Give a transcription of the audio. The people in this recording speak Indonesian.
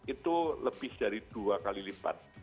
itu lebih dari dua kali lipat